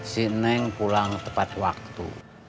si neng pulang tepat waktu